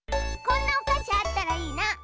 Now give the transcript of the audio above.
「こんなおかしあったらいいな」。